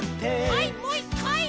はいもう１かい！